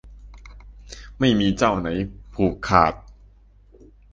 ไม่มีเจ้าไหนผูกขาด